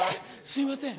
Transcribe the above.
すみません。